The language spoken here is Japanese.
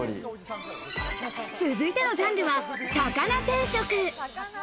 続いてのジャンルは魚定食。